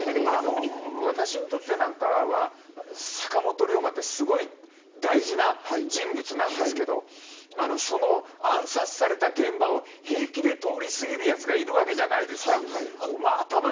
私にとっては坂本龍馬ってすごい大事な人物なんですけど暗殺された現場を平気で通り過ぎる奴がいるわけじゃないですか。